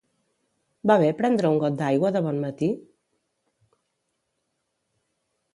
Va bé prendre un got d'aigua de bon matí?